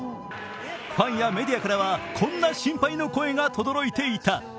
ファンやメディアからはこんな心配の声がとどろいていた。